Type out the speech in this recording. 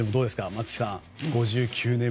松木さん。